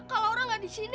kalau orang gak disini